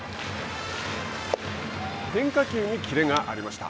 変化球にキレがありました。